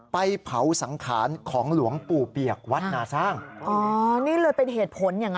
ไปเผาสังขารของหลวงปู่เปียกวัดนาสร้างอ๋อนี่เลยเป็นเหตุผลอย่างนั้น